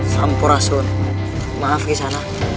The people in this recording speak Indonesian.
sampurasun maaf ke sana